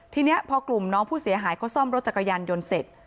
ทีนี้พอกลุ่มน้องผู้เสียหายเขาซ่อมรถจักรยานยนต์เสร็จ